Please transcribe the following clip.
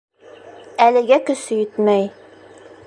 Әлегә көсө етмәй...